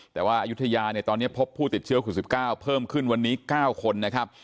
แต่ว่าอายุทยาเนี่ยตอนนี้พบผู้ติดเชื้อคุณ๑๙เพิ่มขึ้นวันนี้๙คนนะครับ